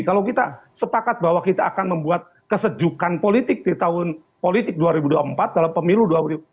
kalau kita sepakat bahwa kita akan membuat kesejukan politik di tahun politik dua ribu dua puluh empat dalam pemilu dua ribu dua puluh